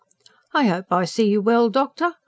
"I hope I see you well, doctor?